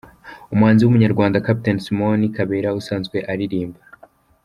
Umuhanzi w’umunyarwanda, Captain Simoni Kabera usanzwe aririmba.